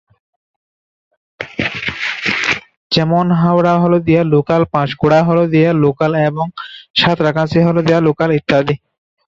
যেমন- Howrah-Haldia local, Panskura-Haldia local এবং Santragachi-Haldia local ইত্যাদি।